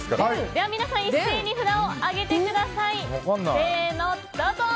では皆さん一斉に札を上げてください。